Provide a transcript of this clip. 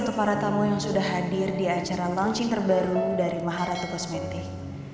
dan para tamu yang sudah hadir di acara launching terbaru dari maharatu kosmetik